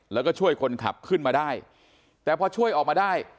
แล้วก็ช่วยคนขับขึ้นมาได้แต่พอช่วยออกมาได้